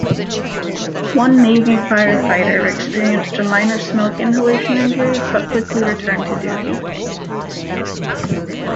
One Navy firefighter experienced a minor smoke inhalation injury, but quickly returned to duty.